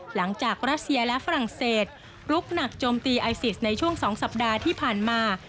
รัสเซียและฝรั่งเศสลุกหนักโจมตีไอซิสในช่วง๒สัปดาห์ที่ผ่านมา